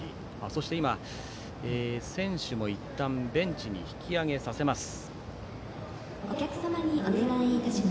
そして今、選手もいったんベンチに引き揚げさせます。